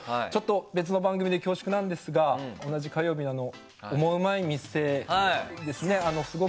別の番組で恐縮なんですが同じ火曜日のオモウマい店